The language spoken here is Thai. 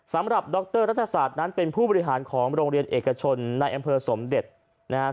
ดรรัฐศาสตร์นั้นเป็นผู้บริหารของโรงเรียนเอกชนในอำเภอสมเด็จนะครับ